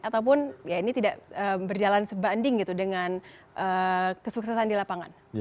ataupun ini tidak berjalan sebanding dengan kesuksesan di lapangan